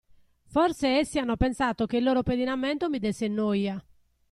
Forse, essi hanno pensato che il loro pedinamento mi desse noia.